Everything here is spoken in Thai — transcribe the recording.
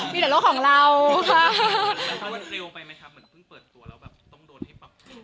มีแต่โลกของเรานะคะมันเร็วไปไหมครับเหมือนเพิ่งเปิดตัวแล้วแบบต้องโดนให้ปรับขึ้น